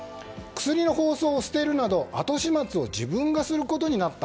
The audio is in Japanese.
薬の包装を捨てるなど後始末を自分がすることになった。